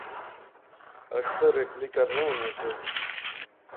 اکثر ہیکلی کرنے ہونے سے